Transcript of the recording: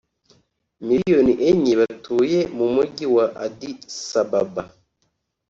miliyoni enye batuye mu mujyi wa Addis Ababa